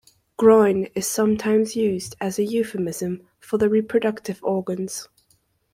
'Groin' is sometimes used as a euphemism for the reproductive organs.